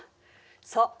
そう。